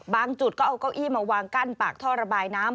จุดก็เอาเก้าอี้มาวางกั้นปากท่อระบายน้ำ